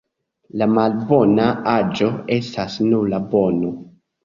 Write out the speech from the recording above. La malbona aĵo estas nura bono.